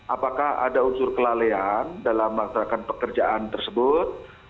apakah ada unsur kelalaian dalam melaksanakan pekerjaan tersebut